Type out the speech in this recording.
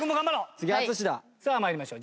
さあ参りましょう。